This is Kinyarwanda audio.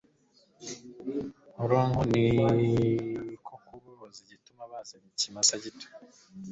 Nkoronko ni ko kubabaza igituma bazanye ikimasa gito